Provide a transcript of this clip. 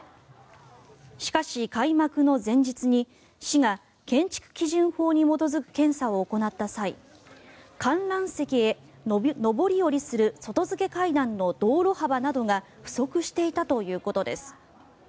しかし、開幕の前日に市が建築基準法に基づく検査を行った際観覧席へ上り下りする外付け階段の通路幅などが不足していたということです。